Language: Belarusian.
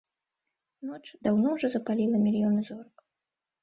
Ноч даўно ўжо запаліла мільёны зорак.